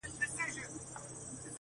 په دې غار کي چي پراته کم موږکان دي,